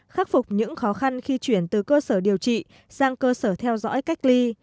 khắc phục những khó khăn khi chuyển từ cơ sở điều trị sang cơ sở theo dõi cách ly